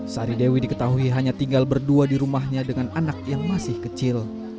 sari dewi diketahui hanya tinggal berdua di rumahnya dengan anak yang masih kecil